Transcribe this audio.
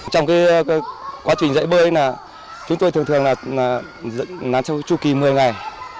trong quá trình dạy bơi chúng tôi thường thường là dẫn nán trung kỳ một mươi ngày